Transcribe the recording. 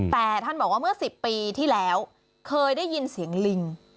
แต่ท่านบอกว่าเมื่อ๑๐ปีที่แล้วเคยได้ยินเสียงลิง